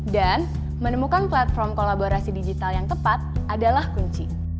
dan menemukan platform kolaborasi digital yang tepat adalah kunci